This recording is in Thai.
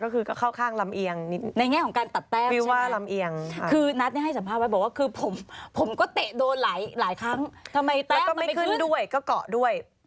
ก็ไม่ขึ้นด้วยก็เกาะด้วย